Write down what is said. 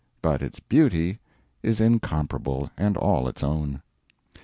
But its beauty is incomparable, and all its own.